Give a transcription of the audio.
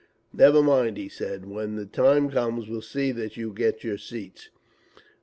"Never mind," he said, "When the time comes we'll see that you get your seats…."